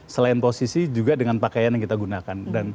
selain posisi juga dengan pakaian yang kita gunakan